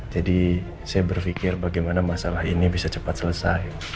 jadi saya berfikir bagaimana masalah ini bisa cepat selesai